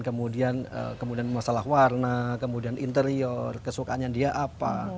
kemudian masalah warna kemudian interior kesukaannya dia apa